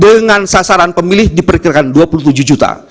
dengan sasaran pemilih diperkirakan dua puluh tujuh juta